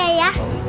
masih ada tempatnya